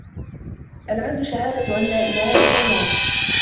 الْعَدْلُ شَهَادَةُ أَنْ لَا إلَهَ إلَّا اللَّهُ